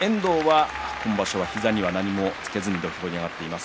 遠藤は今場所は膝には何もつけず土俵に上がっています。